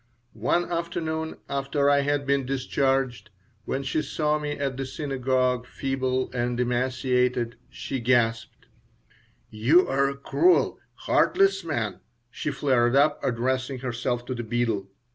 One afternoon, after I had been discharged, when she saw me at the synagogue, feeble and emaciated, she gasped "You're a cruel, heartless man," she flared up, addressing herself to the beadle.